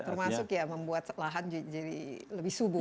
termasuk membuat lahan jadi lebih subur